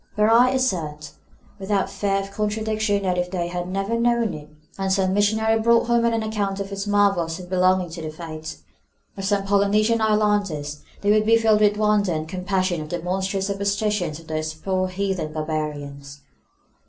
But I assert, without fear of contradiction, that if they had never known it, and some missionary brought home an account of its marvels as belonging to the faith of some Polynesian islanders, they would be filled with wonder and compassion at the monstrous superstitions of those poor heathen barbarians.